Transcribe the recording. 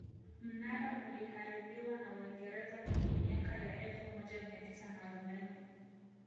Mnara uliharibiwa na waingereza kwenye miaka ya elfu moja mia tisa na arobaini